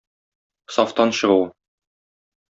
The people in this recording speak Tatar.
Сафтан чыгу.